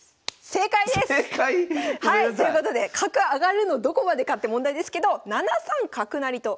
正解⁉はい！ということで角上がるのどこまでかって問題ですけど７三角成と。